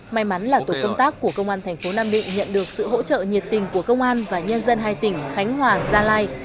may mắn là tổ công tác của công an thành phố nam định nhận được sự hỗ trợ nhiệt tình của công an và nhân dân hai tỉnh khánh hòa gia lai